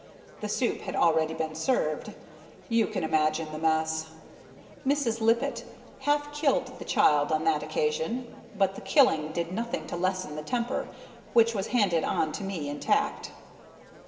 The soup had already been served. You can imagine the mess! Mrs. Lippett half killed the child on that occasion, but the killing did nothing to lessen the temper, which was handed on to me intact.